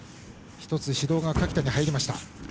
指導が垣田に入りました。